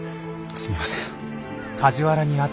すみません。